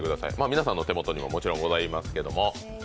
皆さんの手元にももちろんございますけど。